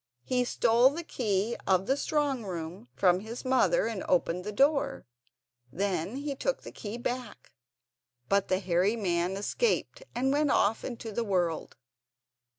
He stole the key of the strong room from his mother and opened the door. Then he took the key back, but the hairy man escaped and went off into the world.